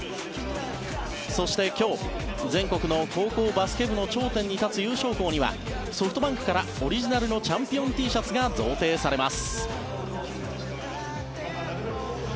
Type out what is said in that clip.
そして今日全国の高校バスケ部の頂点に立つ優勝校にはＳｏｆｔＢａｎｋからオリジナルのチャンピオンＴシャツが贈呈されます。